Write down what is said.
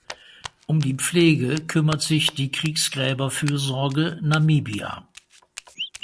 Um die Pflege kümmert sich die Kriegsgräberfürsorge Namibia.